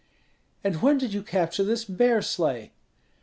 "And when did you capture this bear sleigh?"